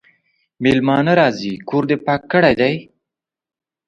مېلمانه راځي کور دي پاک کړی دی؟